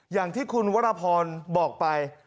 อย่างที่คุณวรพรบอกไป